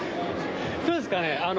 そうですかね。